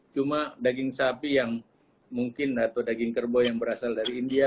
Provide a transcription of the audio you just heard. cuma daging sapi yang mungkin atau daging kerbau yang berasal dari india